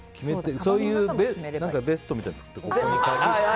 そういうベストみたいなの作って。